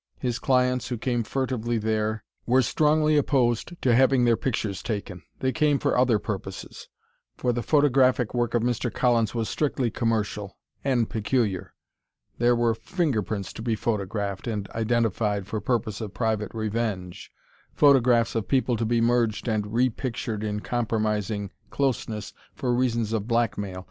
His clients, who came furtively there, were strongly opposed to having their pictures taken they came for other purposes. For the photographic work of Mr. Collins was strictly commercial and peculiar. There were fingerprints to be photographed and identified for purpose of private revenge, photographs of people to be merged and repictured in compromising closeness for reasons of blackmail.